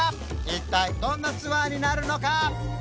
一体どんなツアーになるのか？